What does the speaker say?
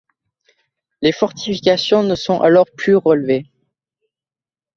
Les fortifications ne sont alors plus relevées.